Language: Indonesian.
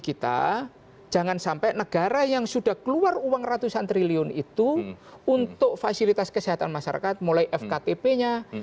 kita jangan sampai negara yang sudah keluar uang ratusan triliun itu untuk fasilitas kesehatan masyarakat mulai fktp nya